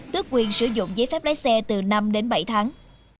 tước quyền sử dụng giấy phép lái xe từ năm đến bảy tháng